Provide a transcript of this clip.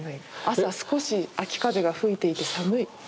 朝少し秋風が吹いていて寒い。